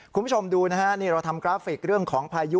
คุณผู้ชมดูนะฮะนี่เราทำกราฟิกเรื่องของพายุ